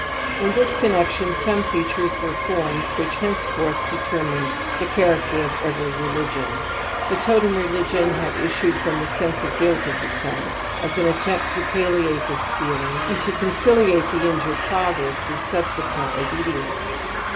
n th is conn gcion SCTie^atui es were form ed whichhenceforth determined ^e character very; re^on^_ The totem religion had issued fromtli^ of ^^ of the sons as an attempt to palliate this feefing and to conciliate the injured father through subsequent obedience.